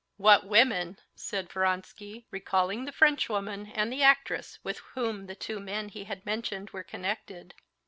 "What women!" said Vronsky, recalling the Frenchwoman and the actress with whom the two men he had mentioned were connected.